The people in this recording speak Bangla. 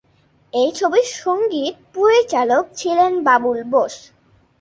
এই ছবির সঙ্গীত পরিচালক ছিলেন বাবুল বোস।